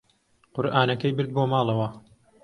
قورئانەکەی برد بۆ ماڵەوە.